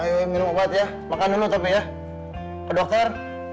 ayo minum obat ya makan dulu tapi ya ke dokter